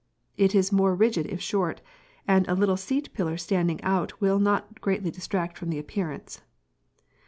It is more rigid if short, and a little seat pillar standing out will not detract greatly from the appearance.